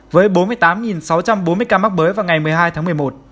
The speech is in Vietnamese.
với bốn mươi tám sáu trăm bốn mươi ca mắc mới vào ngày một mươi hai tháng một mươi một